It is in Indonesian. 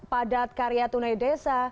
padat karya tunai desa